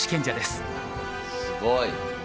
すごい。